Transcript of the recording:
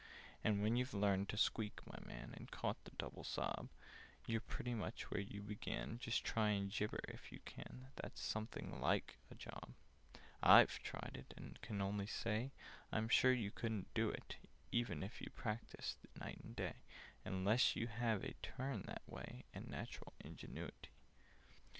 "And when you've learned to squeak, my man, And caught the double sob, You're pretty much where you began: Just try and gibber if you can! That's something like a job! "I've tried it, and can only say I'm sure you couldn't do it, e ven if you practised night and day, Unless you have a turn that way, And natural ingenuity.